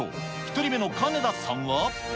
１人目のかねださんは。